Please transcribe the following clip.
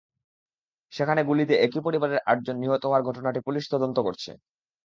সেখানে গুলিতে একই পরিবারের আটজন নিহত হওয়ার ঘটনাটি পুলিশ তদন্ত করছে।